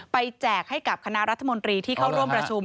แจกให้กับคณะรัฐมนตรีที่เข้าร่วมประชุม